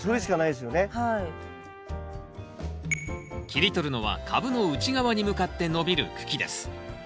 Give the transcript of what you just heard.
切り取るのは株の内側に向かって伸びる茎です。